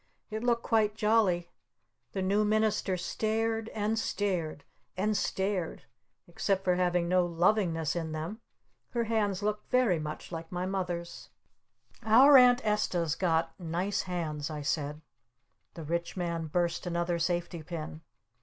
It looked quite jolly. The New Minister stared! And stared! And stared! Except for having no lovingness in them, her hands looked very much like my Mother's. "Our Aunt Esta's got nice hands," I said. The Rich Man burst another safety pin.